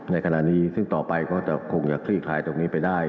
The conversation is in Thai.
ในขณะนี้คลิกกายไอไปได้